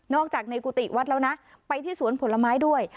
อกจากในกุฏิวัดแล้วนะไปที่สวนผลไม้ด้วย